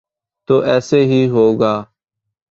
تو ایسے ہی ہوگا۔